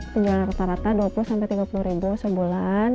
penjualan rata rata dua puluh tiga puluh ribu sebulan